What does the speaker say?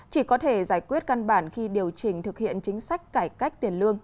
chỉ có thể giải quyết căn bản khi điều chỉnh thực hiện chính sách cải cách tiền lương